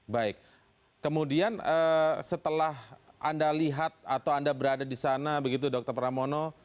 baik kemudian setelah anda lihat atau anda berada di sana begitu dokter pramono